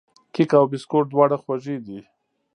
کیک او بسکوټ دواړه خوږې دي.